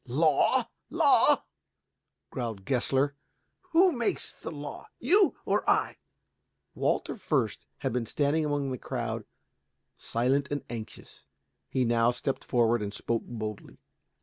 "Law, law?" growled Gessler. "Who makes the law, you or I?" Walter Fürst had been standing among the crowd silent and anxious. Now he stepped forward and spoke boldly.